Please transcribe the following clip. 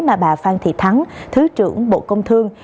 là bà phan thị thắng thứ trưởng bộ công thương